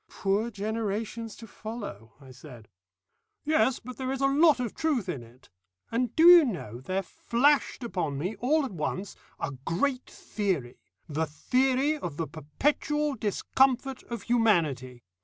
"Poor generations to follow!" I said. "Yes, but there is a lot of truth in it; and do you know there flashed upon me all at once a great theory, the Theory of the Perpetual Discomfort of Humanity.